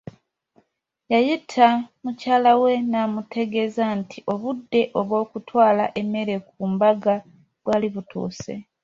Yayita mukyala we namutegeeza nti obudde obw’okutwala emmere ku mbaga bwali butuuse.